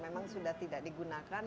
memang sudah tidak digunakan